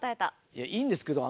「いやいいんですけど